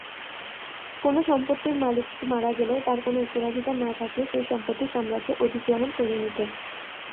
কোনো সম্পত্তির মালিক মারা গেলে তাঁর কোনো উত্তরাধিকার না থাকলে সেই সম্পত্তি সাম্রাজ্য অধিগ্রহণ করে নিত।